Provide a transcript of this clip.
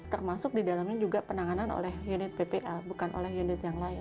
termasuk di dalamnya juga penanganan oleh unit ppa bukan oleh unit yang lain